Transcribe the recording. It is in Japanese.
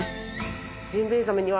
ジンベエザメには。